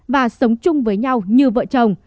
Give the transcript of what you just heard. và sống chung với nhau như vợ chồng